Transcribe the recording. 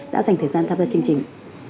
đã dành thời gian tham gia chương trình